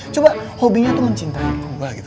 coba hobinya tuh mencintai gue gitu